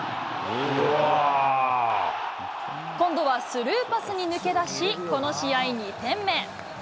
今度はスルーパスに抜け出し、この試合２点目。